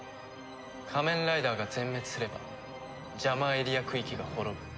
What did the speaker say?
仮面ライダーが全滅すればジャマーエリア区域が滅ぶ。